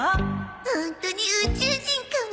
ホントに宇宙人かもよ。